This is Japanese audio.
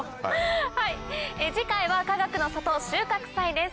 はい次回はかがくの里収穫祭です。